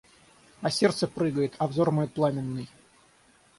А сердце прыгает, а взор мой пламенный.